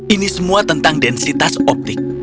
ini semua tentang densitas optik